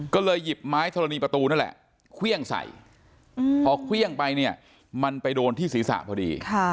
ก็เลยหยิบไม้ธรณีประตูนั่นแหละเครื่องใส่พอเครื่องไปเนี่ยมันไปโดนที่ศีรษะพอดี